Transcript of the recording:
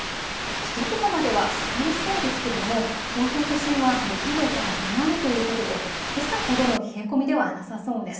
１桁までは下がりそうですけども東京都心は６度から７度ということでけさほどの冷え込みではなさそうです。